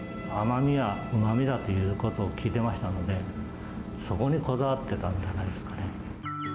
甘みはうまみだっていうことを聞いていましたので、そこにこだわってたんじゃないですかね。